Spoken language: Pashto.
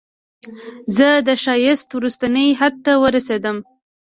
زه د ښایست وروستني حد ته ورسیدم